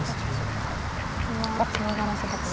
ここはツナがらせたくないと。